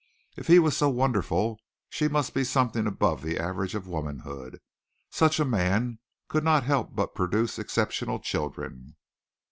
If he was so wonderful she must be something above the average of womanhood. Such a man could not help but produce exceptional children.